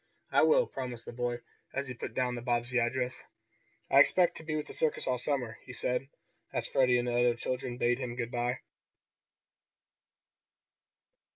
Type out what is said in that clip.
"I will," promised the boy, as he put down the Bobbsey address. "I expect to be with this circus all summer," he said, as Freddie and the other children bade him good bye.